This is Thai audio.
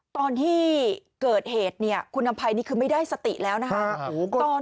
ตอนที่เกิดเหตุเนี่ยคุณอำภัยนี่คือไม่ได้สติแล้วนะคะ